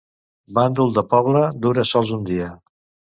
Bàndol de poble dura sols un dia.